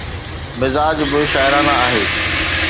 مزاج به شاعرانه آهي.